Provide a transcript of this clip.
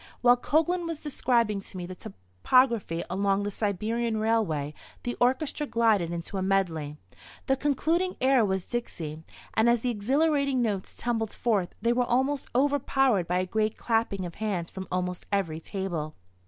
While Coglan was describing to me the topography along the Siberian Railway the orchestra glided into a medley. The concluding air was "Dixie," and as the exhilarating notes tumbled forth they were almost overpowered by a great clapping of hands from almost every table.